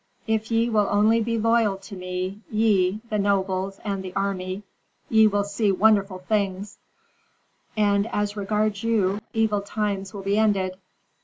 "If ye will only be loyal to me, ye, the nobles, and the army, ye will see wonderful things, and, as regards you, evil times will be ended."